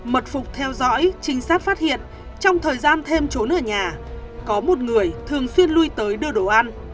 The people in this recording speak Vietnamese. mật phục theo dõi trinh sát phát hiện trong thời gian thêm trốn ở nhà có một người thường xuyên lui tới đưa đồ ăn